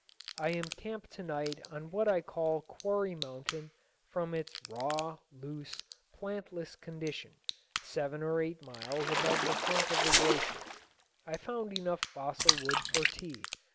I am camped to night on what I call Quarry Mountain from its raw, loose, plantless condition, seven or eight miles above the front of the glacier. I found enough fossil wood for tea.